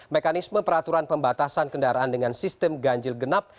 mekanisme peraturan pembatasan kendaraan dengan sistem ganjil genap